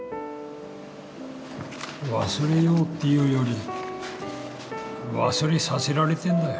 忘れようっていうより忘れさせられてんだよ。